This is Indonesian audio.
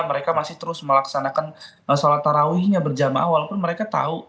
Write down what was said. mereka masih terus melaksanakan sholat tarawihnya berjamaah walaupun mereka tahu